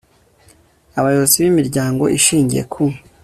abayobozi b imiryango ishingiye ku